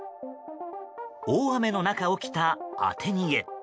大雨の中起きた当て逃げ。